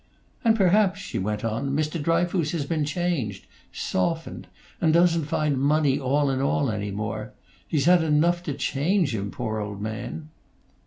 "And perhaps," she went on, "Mr. Dryfoos has been changed softened; and doesn't find money all in all any more. He's had enough to change him, poor old man!"